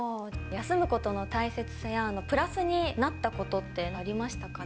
休むことの大切さや、プラスになったことってありましたか？